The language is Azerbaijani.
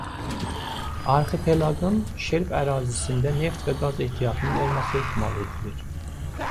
Arxipelaqın şelf ərazisində neft və qaz ehtiyatının olması ehtimal edilir.